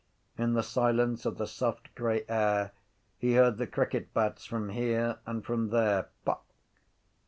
In the silence of the soft grey air he heard the cricket bats from here and from there: pock.